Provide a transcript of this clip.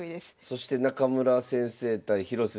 そして中村先生対広瀬先生。